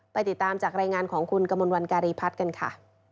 ติดตามจากรายงานของคุณกมลวันการีพัฒน์กันค่ะ